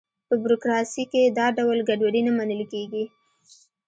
په بروکراسي کې دا ډول ګډوډي نه منل کېږي.